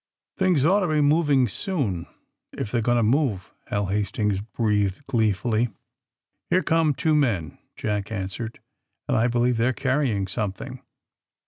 ^^ Things ought to be moving, soon, if they're going to move," Hal Hastings breathed glee fully. *^Here come two men," Jack answered, ^^and I believe they're carrying something."